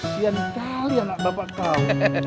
pesian sekali anak bapak kau